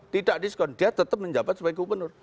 tidak diskon dia tetap menjabat sebagai gubernur